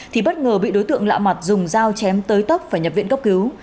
thì bất ngờ bị đối tượng lạ mặt dùng dao chém tới tốc và nhập viện cấp cứu